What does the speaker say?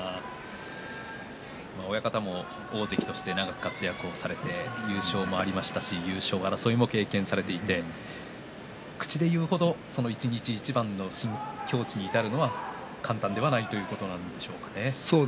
親方も大関として長く活躍されて優勝もありましたし優勝争いも経験されていて口で言う程、その一日一番の境地に至るのは簡単ではないということなんでしょうね。